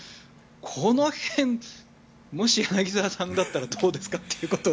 この辺、もし柳澤さんだったらどうですか？ということを。